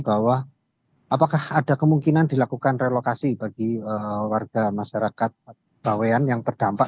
bahwa apakah ada kemungkinan dilakukan relokasi bagi warga masyarakat bawean yang terdampak